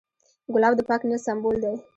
ګلاب د پاک نیت سمبول دی.